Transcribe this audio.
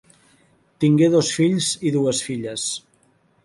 Tingué dos fills i dues filles.